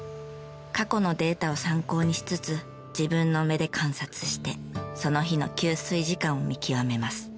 過去のデータを参考にしつつ自分の目で観察してその日の吸水時間を見極めます。